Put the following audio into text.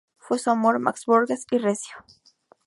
Fue su autor Max Borges y Recio.